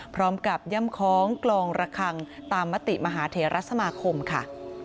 ย่ำคล้องกลองระคังตามมติมหาเทรสมาคมค่ะ